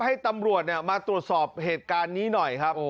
ให้ตำรวจมาตรวจสอบเหตุการณ์นี้หน่อยครับ